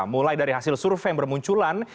mulai dari hasil survei yang bermunculan